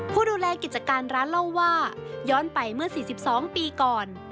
ผู้ดูแลกิจการร้านเล่าว่าย้อนไปเมื่อ๔๒ปีก่อน